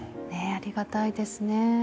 ありがたいですね